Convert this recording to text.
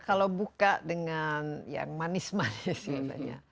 kalau buka dengan yang manis manis katanya